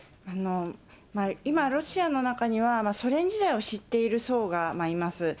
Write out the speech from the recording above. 今、ロシアの中には、ソ連時代を知っている層がいます。